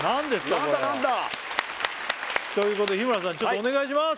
これということで日村さんちょっとお願いします